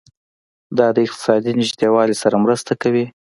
دا د اقتصادي نږدیوالي سره مرسته کوي.